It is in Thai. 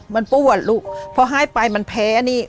มันปวดลูกพอให้ไปมันแพ้นี่